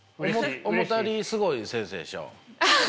思ったよりすごい先生でしょ？